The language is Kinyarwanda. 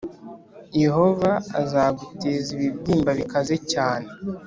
“yehova azaguteza ibibyimba bikaze cyane